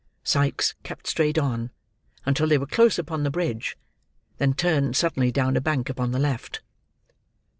Sikes kept straight on, until they were close upon the bridge; then turned suddenly down a bank upon the left.